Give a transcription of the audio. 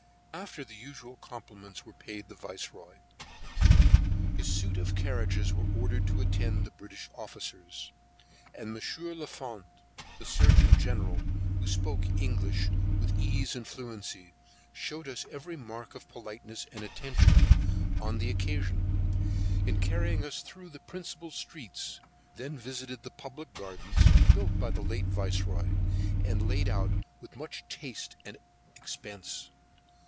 After the usual compliments were paid the Vice Roy, his suit of carriages were ordered to attend the British officers, and Monsieur le Font, the Surgeon General, who spoke English with ease and fluency, shewed us every mark of politeness and attention on the occasion, in carrying us through the principal streets, then visited the public gardens, built by the late Vice Roy, and laid out with much taste and expence.